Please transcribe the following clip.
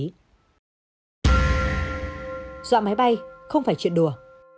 dọa máy bay không phải chuyện đùa